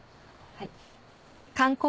はい。